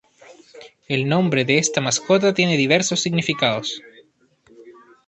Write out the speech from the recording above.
El nombre de esta mascota tiene diversos significados.